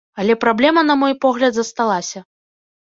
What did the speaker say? Але праблема, на мой погляд, засталася.